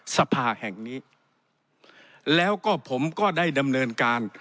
สภาแห่งนี้แล้วก็ผมก็ได้ดำเนินการ